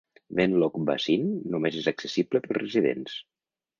Wenlock Basin només és accessible pels residents.